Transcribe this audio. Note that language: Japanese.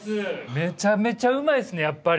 めちゃめちゃうまいですねやっぱり。